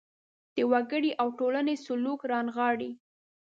د وګړي او ټولنې سلوک رانغاړي.